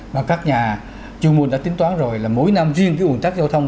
mà các nhà trung môn đã tính toán rồi là mỗi năm riêng cái ồn tắc giao thông